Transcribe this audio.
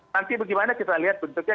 nanti bagaimana kita lihat bentuknya